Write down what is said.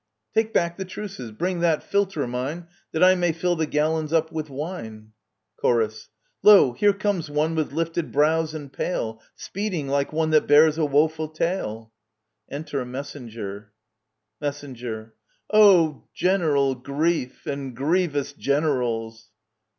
Take back the truces. Bring that filter o' mine, That I may fill the gallons up with wine. Chor. Lo ! here comes one with lifted brows and pale, Speeding, like one that bears a woeful tale ! Enter a Messenger. Mess. Oh, general grief, and grievous generals